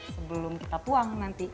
sebelum kita tuang nanti